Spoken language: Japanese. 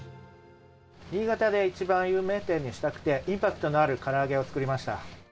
新潟で一番有名店にしたくて、インパクトのあるから揚げを作りました。